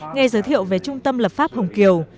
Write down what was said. nghe giới thiệu về trung tâm lập pháp hồng kiều